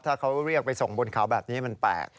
ถ้าเขาเรียกไปส่งบนเขาแบบนี้มันแปลก